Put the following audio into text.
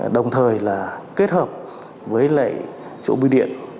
đồng thời là kết hợp với lại chỗ biêu điện